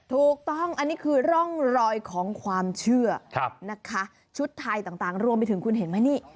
ถูกต้องอันนี้คือร่องรอยของความเชื่อนะคะชุดไทยต่างรวมไปถึงคุณเห็นไหมนี่